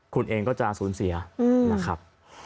คุณเองก็จะสูญเสียนะครับ